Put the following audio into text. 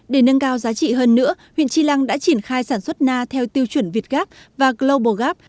đã tổ chức sản xuất na theo tiêu chuẩn việt gap và global gap